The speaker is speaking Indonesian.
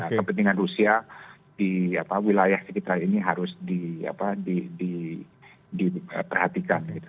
kepentingan rusia di wilayah sekitar ini harus diperhatikan